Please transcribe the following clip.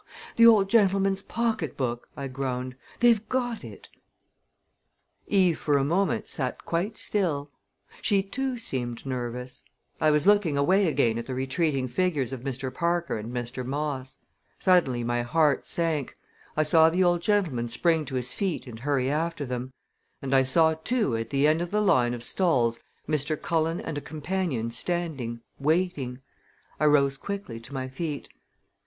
"The old gentleman's pocketbook," I groaned; "they've got it!" Eve for a moment sat quite still; she, too, seemed nervous. I was looking away again at the retreating figures of Mr. Parker and Mr. Moss. Suddenly my heart sank. I saw the old gentleman spring to his feet and hurry after them; and I saw, too, at the end of the line of stalls, Mr. Cullen and a companion standing, waiting. I rose quickly to my feet.